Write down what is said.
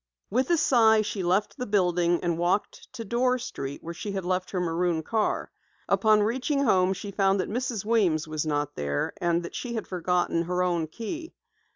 With a sigh she left the building and walked to Dorr Street where she had left her maroon car. Upon reaching home she found that Mrs. Weems was not there and she had forgotten her own key.